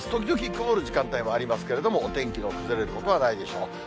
時々曇る時間帯もありますけれども、お天気の崩れる所はないでしょう。